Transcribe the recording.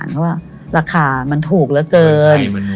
ก็ว่าราคามันถูกเหลือเกิน